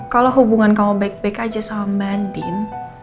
kalau hubungan kamu baik baik aja sama andin